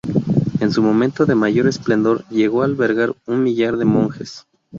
En su momento de mayor esplendor, llegó a albergar un millar de monjes.